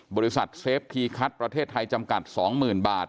บริษัทเซฟทีคัทประเทศไทยจำกัด๒๐๐๐บาท